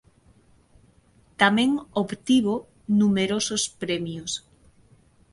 Tamén obtivo numerosos premios.